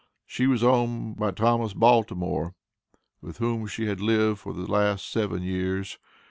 She was owned by Thomas Baltimore, with whom she had lived for the last seven years.